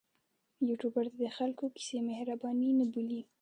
یوټوبر دې د خلکو کیسې مهرباني نه بولي.